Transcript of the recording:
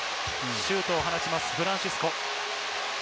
シュートを放ちます、フランシスコ。